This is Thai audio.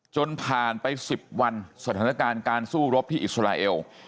จนผ่านไป๑๐วันสถานการณ์การสู้รบที่อิสราเอล